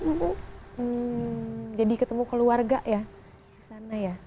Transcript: hmm jadi ketemu keluarga ya di sana ya